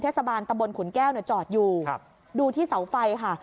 เทศบาลตำบลขุนแก้วเนี่ยจอดอยู่ดูที่เสาไฟค่ะ